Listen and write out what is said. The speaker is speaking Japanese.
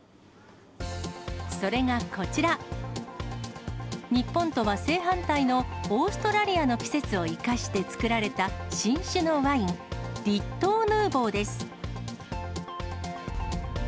それがこちら、日本とは正反対のオーストラリアの季節を生かしてつくられた、新酒のワイン、立冬ヌーヴォです。